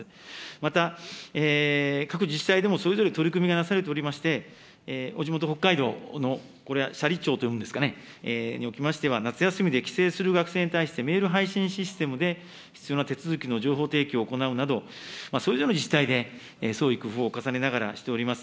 また、各自治体でもそれぞれ取り組みがなされておりまして、お地元、北海道のこれはさりちょうと読むんですかね、におきましては、夏休みで帰省する学生に対して、メール配信システムで必要な手続きの情報提供を行うなど、それぞれの自治体で創意工夫を重ねながら、しております。